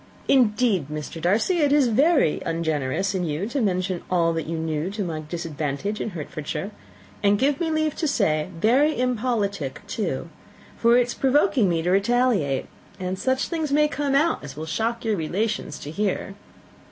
Indeed, Mr. Darcy, it is very ungenerous in you to mention all that you knew to my disadvantage in Hertfordshire and, give me leave to say, very impolitic too for it is provoking me to retaliate, and such things may come out as will shock your relations to hear."